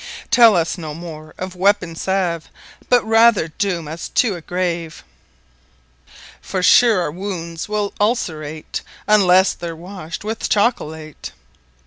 Tell us no more of Weapon Salve, But rather Doome us to a Grave: For sure our wounds will Ulcerate, Unlesse they're wash'd with Chocolate.